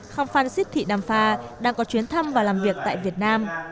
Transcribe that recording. không phan xích thị đàm pha đang có chuyến thăm và làm việc tại việt nam